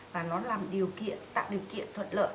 và nó làm điều kiện tạo điều kiện thuận lợi